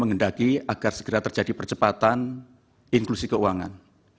menghendaki agar segera terjadi percepatan inklusi keuangan